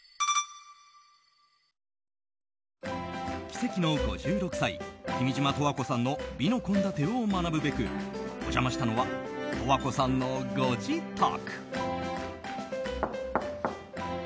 奇跡の５６歳君島十和子さんの美の献立を学ぶべくお邪魔したのは十和子さんのご自宅。